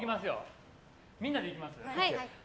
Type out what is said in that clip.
みんなでいきましょう。